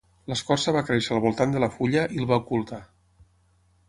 L'escorça va créixer al voltant de la fulla i el va ocultar.